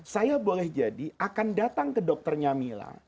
saya boleh jadi akan datang ke dokternya mila